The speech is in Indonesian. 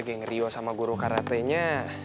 geng rio sama guru karate nya